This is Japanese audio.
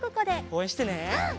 おうえんしてね。